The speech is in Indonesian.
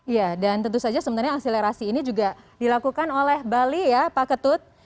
ya dan tentu saja sebenarnya anselerasi ini juga dilakukan oleh bali ya pak ketua